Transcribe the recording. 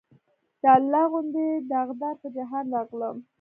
د الله غوندې داغدار پۀ جهان راغلم